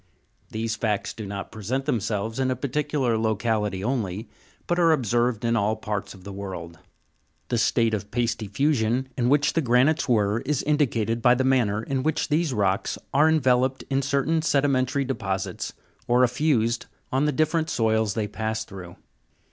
These facts do not present themselves in a particular locality only, but are observed in all parts of the world. The state of pasty fusion in which the granites were, is indicated by the manner in which these rocks are enveloped in certain sedimentary deposits, or effused on the different soils they pass through.